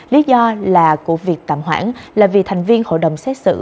lý do là của việc tạm hoãn là vì thành viên hội đồng xét xử